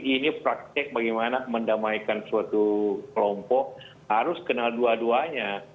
ini praktek bagaimana mendamaikan suatu kelompok harus kenal dua duanya